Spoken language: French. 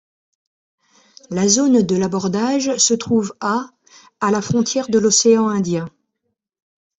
La zone de l'abordage se trouve à à la frontière de l'océan Indien.